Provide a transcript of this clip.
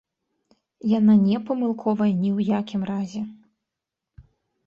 Яна не памылковая ні ў якім разе.